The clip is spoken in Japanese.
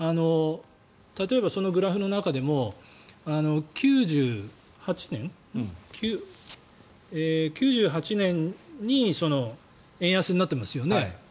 例えばそのグラフの中でも９８年に円安になってますよね。